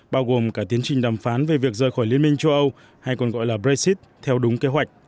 bao gồm cả tiến trình đàm phán về việc rời khỏi liên minh châu âu hay còn gọi là brexit theo đúng kế hoạch